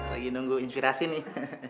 lagi nunggu inspirasi nih